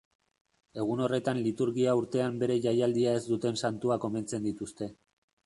Egun horretan liturgia-urtean bere jaialdia ez duten santuak omentzen dituzte.